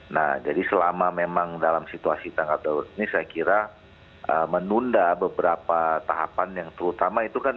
nah jadi selama memang dalam situasi tanggal ini saya kira menunda beberapa tahapan yang terutama itu kan